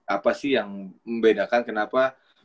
apa sih yang membedakan kenapa